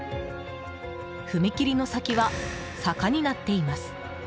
踏切の先は坂になっています。